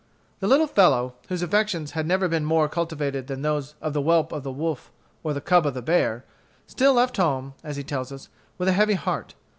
The little fellow, whose affections had never been more cultivated than those of the whelp of the wolf or the cub of the bear, still left home, as he tells us, with a heavy heart.